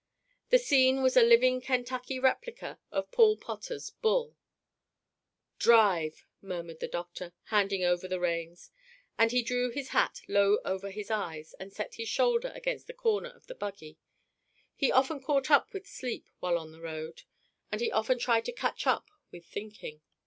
The scene was a living Kentucky replica of Paul Potter's Bull. "Drive!" murmured the doctor, handing over the reins; and he drew his hat low over his eyes and set his shoulder against his corner of the buggy; he often caught up with sleep while on the road. And he often tried to catch up with thinking.